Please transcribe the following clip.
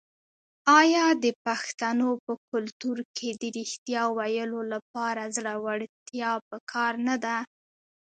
آیا د پښتنو په کلتور کې د ریښتیا ویلو لپاره زړورتیا پکار نه ده؟